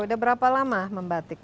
sudah berapa lama membatik